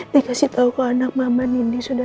dikasih tahu ke anak mama nindi sudah